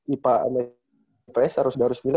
ipa sama ips udah harus milet